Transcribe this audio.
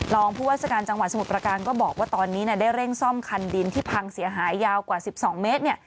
รองผู้ว่าราชการจังหวัดสมุทรประการก็บอกว่าตอนนี้ได้เร่งซ่อมคันดินที่พังเสียหายยาวกว่า๑๒เมตรเนี่ย